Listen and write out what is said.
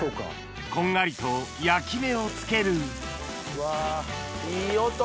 こんがりと焼き目をつけるうわいい音！